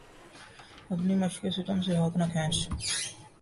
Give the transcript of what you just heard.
اپنی مشقِ ستم سے ہاتھ نہ کھینچ